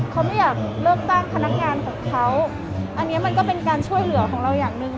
เขาไม่อยากเลิกจ้างพนักงานของเขาอันนี้มันก็เป็นการช่วยเหลือของเราอย่างหนึ่ง